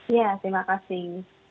iya terima kasih